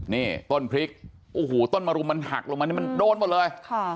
นี่ต้นพริกโอ้โหต้นมรุมมันหักลงมานี่มันโดนหมดเลย